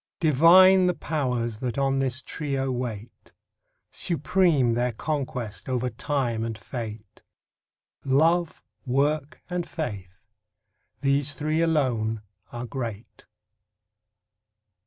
Divine the Powers that on this trio wait. Supreme their conquest, over Time and Fate. Love, Work, and Faith—these three alone are great.